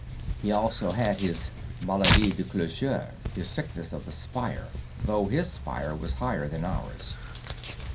He also had his maladie du clocher, his sickness of the spire; though his spire was higher than ours.